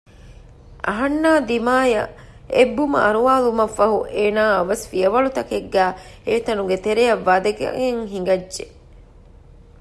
އަހަންނާ ދިމާއަށް އެއްބުމަ އަރުވާލުމަށްފަހު އޭނާ އަވަސް ފިޔަވަޅުތަކެއްގައި އެތަނުގެ ތެރެއަށް ވަދަގެން ހިނގައްޖެ